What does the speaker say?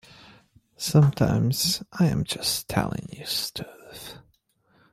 Sometimes I am just telling you stuff.